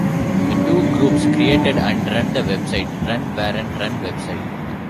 The two groups created and run the website, Run Warren Run website.